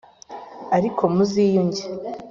ariko muziyunge